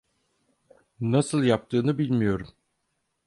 Nasıl yaptığını bilmiyorum.